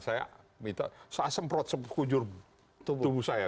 saya minta saya semprot sekujur tubuh saya